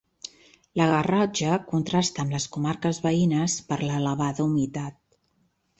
La Garrotxa contrasta amb les comarques veïnes per l'elevada humitat.